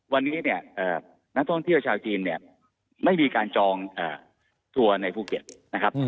วันนี้นักท่องเที่ยวชาวจีนไม่มีการจองตัวในภูเกียรตินะครับ